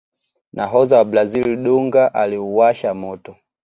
nahodha wa brazil dunga aliuwasha moto